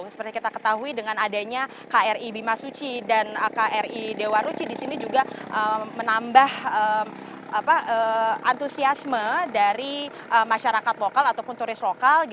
seperti kita ketahui dengan adanya kri bimasuci dan kri dewa ruci di sini juga menambah antusiasme dari masyarakat lokal ataupun turis lokal